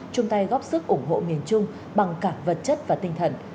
chung tay góp sức ủng hộ miền trung bằng cả vật chất và tinh thần